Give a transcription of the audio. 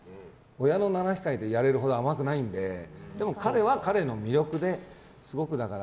親の七光りでやれるほど甘くないのででも彼は彼の魅力ですごく。